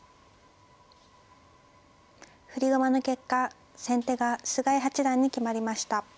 振り駒の結果先手が菅井八段に決まりました。